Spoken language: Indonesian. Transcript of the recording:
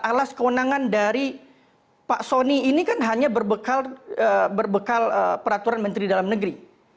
alas kewenangan dari pak soni ini kan hanya berbekal peraturan menteri dalam negeri